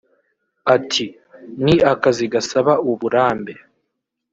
Ati”Ni akazi gasaba uburambe